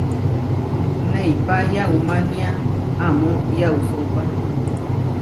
Neipá yaumánia amó yausópa.